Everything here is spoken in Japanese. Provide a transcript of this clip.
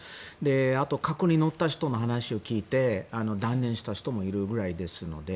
あと、過去に乗った人の話を聞いて断念した人もいるぐらいですので。